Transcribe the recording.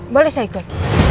boleh saya ikut